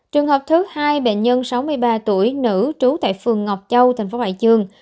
trường hợp thứ hai bệnh nhân sáu mươi ba tuổi nữ trú tại phường ngọc châu thành phố hải dương